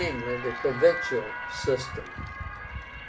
the PROVINCIAL SYSTEM.